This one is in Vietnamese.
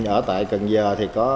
ở tại cần chợ thì có